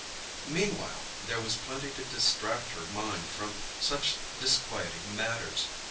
Meanwhile there was plenty to distract her mind from such disquieting matters.